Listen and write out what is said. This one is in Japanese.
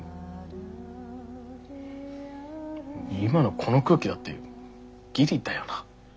今のこの空気だってギリだよな。